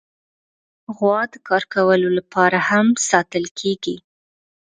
غوا د کار کولو لپاره هم ساتل کېږي.